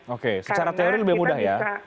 oke secara teori lebih mudah ya